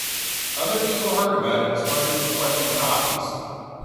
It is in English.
Other people heard about it, and started requesting copies.